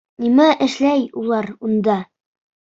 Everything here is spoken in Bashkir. Нимә эшләй улар унда!